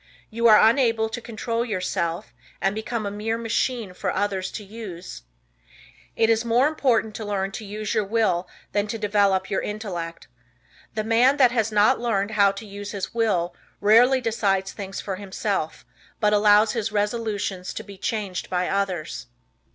You are unable to control yourself and become a mere machine for others to use. It is more important to learn to use your will than to develop your intellect. The man that has not learned how to use his will rarely decides things for himself, but allows his resolutions to be changed by others.